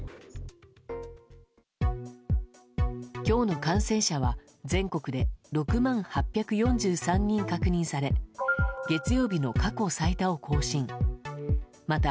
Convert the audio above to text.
今日の感染者は全国で６万８４３人確認され月曜日の過去最多を更新。